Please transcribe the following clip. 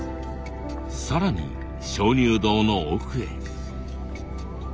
更に鍾乳洞の奥へ。